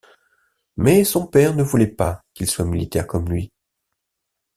Mais son père ne voulait pas qu'il soit militaire comme lui.